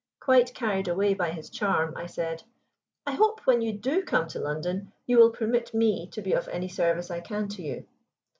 Quite carried away by his charm I said: "I hope when you do come to London, you will permit me to be of any service I can to you."